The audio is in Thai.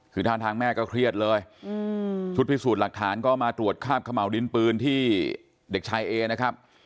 คือท่าทางแม่ก็เครียดเลยชุดพิสูจน์หลักฐานก็มาตรวจคาบขม่าวดินปืนที่เด็กชายเอนะครับ